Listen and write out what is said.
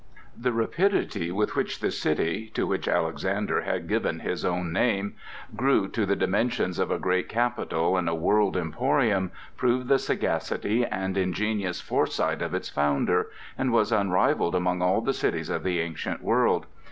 The rapidity with which the city—to which Alexander had given his own name—grew to the dimensions of a great capital and a world emporium, proved the sagacity and ingenious foresight of its founder, and was unrivalled among all the cities of the ancient world.